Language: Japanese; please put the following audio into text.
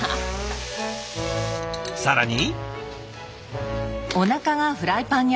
更に。